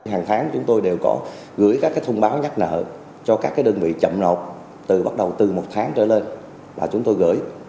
hàng tháng chúng tôi đều có gửi các thông báo nhắc nợ cho các đơn vị chậm nộp từ bắt đầu từ một tháng trở lên và chúng tôi gửi